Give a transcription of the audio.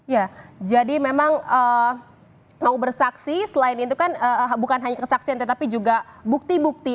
ya jadi memang mau bersaksi selain itu kan bukan hanya kesaksian tetapi juga bukti bukti